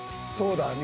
そうだ。